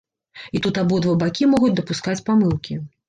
І тут абодва бакі могуць дапускаць памылкі.